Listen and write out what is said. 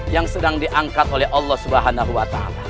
yang sedang diangkat oleh allah swt